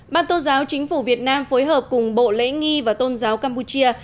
ban tôn giáo chính phủ việt nam phối hợp cùng bộ lễ nghi và tôn giáo campuchia